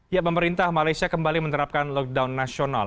ya pemerintah malaysia kembali menerapkan lockdown nasional